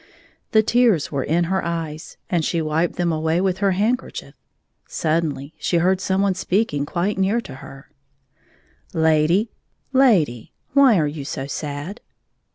The tears were in her eyes, and she wiped them away with her handkerchief. Suddenly she heard some one speaking quite near to her :" Lady, lady, why are you so sad